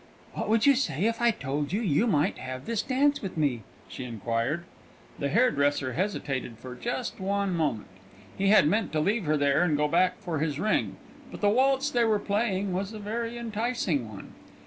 "What would you say if I told you you might have this dance with me?" she inquired. The hairdresser hesitated for just one moment. He had meant to leave her there and go back for his ring; but the waltz they were playing was a very enticing one.